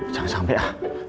jangan sampe ah